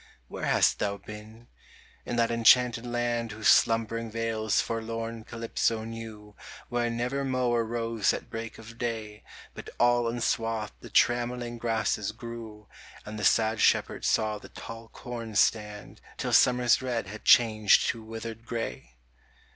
Where hast thou been ? in that enchanted land Whose slumbering vales forlorn Calypso knew, Where never mower rose at break of day But all unswathed the trammeling grasses grew, And the sad shepherd saw the tall corn stand Till summer's red had changed to withered gray